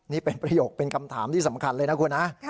นี่เป็นประโยคเป็นคำถามที่สำคัญเลยนะคุณนะ